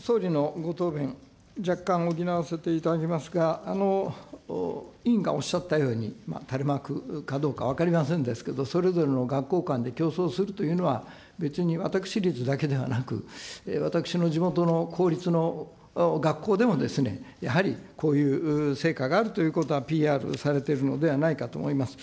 総理のご答弁、若干補わせていただきますが、委員がおっしゃったように、垂れ幕かどうか分かりませんですけど、それぞれの学校間で競争するというのは、別に私立だけでなく、私の地元の公立の学校でもですね、やはりこういう成果があるということはＰＲされてるのではないかと思います。